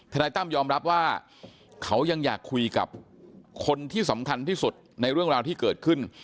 นายตั้มยอมรับว่าเขายังอยากคุยกับคนที่สำคัญที่สุดในเรื่องราวที่เกิดขึ้น